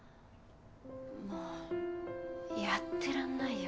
もうやってらんないよ。